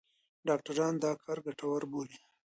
ډاکټران دا کار ګټور بولي.